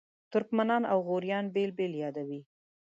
ترکمنان او غوریان بېل بېل یادوي.